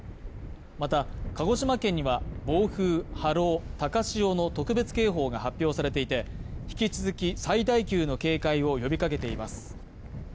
また、鹿児島県には暴風・波浪・高潮の特別警報が発表されていて引き続き、最大級の警戒を呼びかけています。